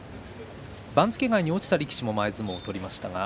番付外に落ちた力士も前相撲を取りました。